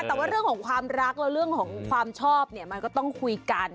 แต่ว่าเรื่องของความรักแล้วเรื่องของความชอบเนี่ยมันก็ต้องคุยกัน